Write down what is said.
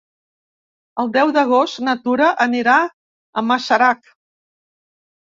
El deu d'agost na Tura anirà a Masarac.